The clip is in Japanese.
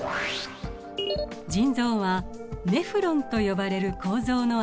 腎臓はネフロンと呼ばれる構造の集まりです。